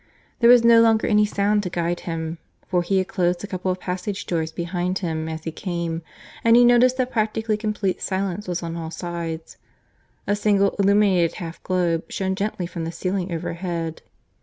There was no longer any sound to guide him, for he had closed a couple of passage doors behind him as he came; and he noticed that practically complete silence was on all sides; a single illuminated half globe shone gently from the ceiling overhead.